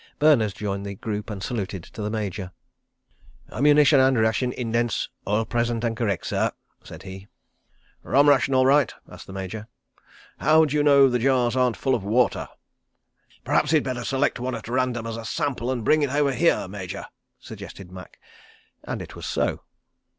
Berners joined the group and saluted the Major. "Ammunition and ration indents all present and correct, sir," said he. "Rum ration all right?" asked the Major. "How do you know the jars aren't full of water?" "P'raps he'd better select one at random as a sample and bring it over here, Major," suggested Macke. And it was so.